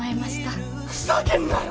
ふざけんなよ！